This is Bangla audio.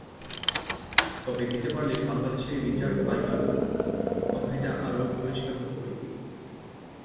তবে দিতে পারলে বাংলাদেশে রিচার্ড পাইবাস অধ্যায়টা আরও পরিষ্কার হতো বৈকি।